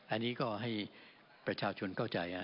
อันนี้ก็ให้ประชาชนเข้าใจ